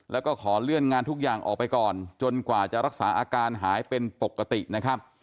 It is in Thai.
แล้วก็ขอเลื่อนงานทุกอย่างออกไปก่อนจนกว่าจะรักษาอาการหายเป็นปกตินะครับ